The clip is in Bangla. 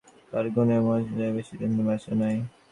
তার গুণের মধ্যে এই যে, বেশিদিন বাঁচে নাই।